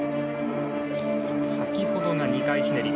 先ほどが２回ひねり。